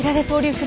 する